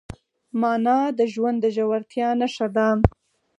مانا د ژوند د ژورتیا نښه ده.